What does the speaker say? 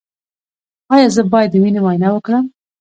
ایا زه باید د وینې معاینه وکړم؟